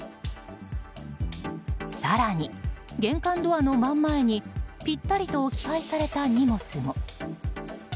更に、玄関ドアの真ん前にぴったりと置き配された荷物も。